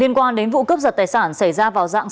liên quan đến vụ cướp giật tài sản xảy ra vào rạng